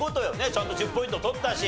ちゃんと１０ポイント取ったし。